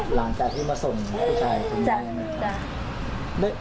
หลังจากที่มาส่งผู้ชายคนนี้